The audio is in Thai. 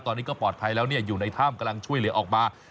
ตอนนี้ก็ปลอดภัยแล้วอยู่ในถ้ำกำลังช่วยเหลือออกมา